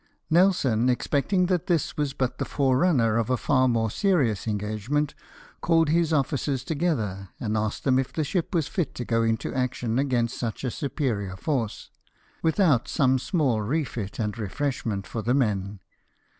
Nelson, expecting that this was but the forerunner of a far more serious engagement, called his officers together, and asked them if the ship was fit to go into action against such a superior force, without some small refit and refreshment for the men.